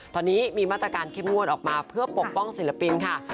ตอนนี้มีมาตรการเข้มงวดออกมาเพื่อปกป้องศิลปินค่ะ